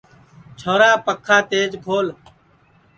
چھورا پکھا تیج کھول